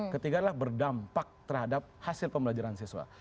ketiga adalah berdampak terhadap hasil pembelajaran siswa